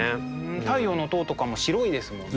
「太陽の塔」とかも白いですもんね。